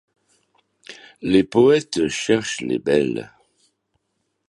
Les poëtes cherchent les belles.